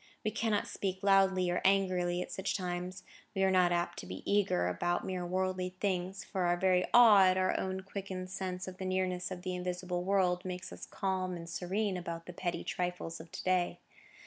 We cannot speak loudly or angrily at such times; we are not apt to be eager about mere worldly things, for our very awe at our quickened sense of the nearness of the invisible world, makes us calm and serene about the petty trifles of to day.